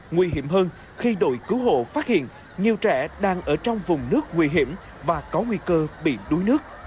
nguy hiểm hơn khi đội cứu hộ phát hiện nhiều trẻ đang ở trong vùng nước nguy hiểm và có nguy cơ bị đuối nước